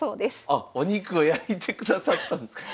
あっお肉を焼いてくださったんですか。